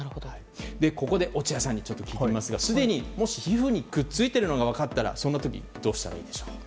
ここで落合さんに聞いてみますがすでに、皮膚にくっついているのが分かったらどうしたらいいでしょうか。